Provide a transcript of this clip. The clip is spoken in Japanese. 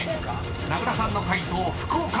［名倉さんの解答福岡］